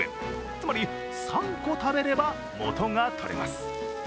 つまり３個食べれば元が取れます。